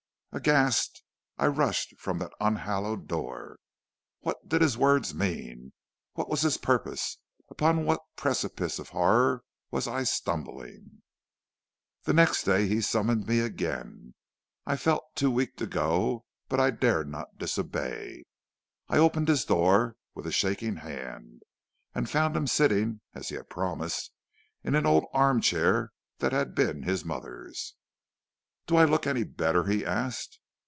"Aghast, I rushed from that unhallowed door. What did his words mean? What was his purpose? Upon what precipice of horror was I stumbling? "The next day he summoned me again. I felt too weak to go, but I dared not disobey. I opened his door with a shaking hand, and found him sitting, as he had promised, in an old arm chair that had been his mother's. "'Do I look any better?' he asked.